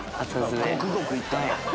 ごくごく行ったら？